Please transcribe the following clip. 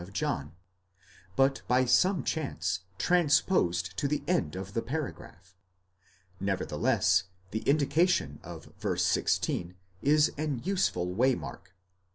of John, but by some chance transposed to the end of the paragraph. Nevertheless, the indication of v. 16 is an useful way mark.